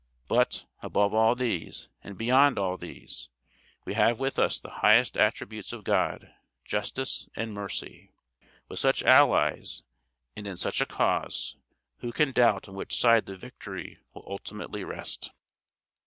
But, above all these, and beyond all these, we have with us the highest attributes of God, Justice and Mercy. With such allies, and in such a cause, who can doubt on which side the victory will ultimately rest.